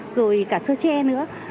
rồi cả sơ tre nữa